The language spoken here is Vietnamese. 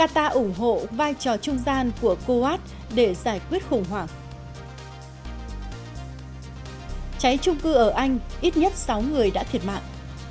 cháy trung cư ở anh ít nhất sáu người đã thiệt mạng